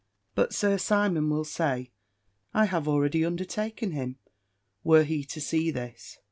"But Sir Simon will say, I have already undertaken him, were he to see this.